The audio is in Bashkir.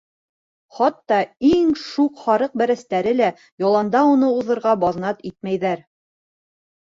Хатта иң шуҡ һарыҡ бәрәстәре лә яланда уны уҙырға баҙнат итмәйҙәр.